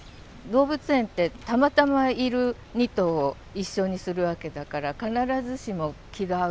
動物園ってたまたまいる２頭を一緒にするわけだからあそうか。